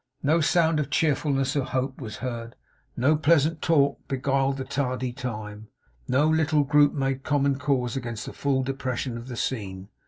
No sound of cheerfulness or hope was heard; no pleasant talk beguiled the tardy time; no little group made common cause against the full depression of the scene.